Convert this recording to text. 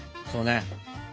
そうね。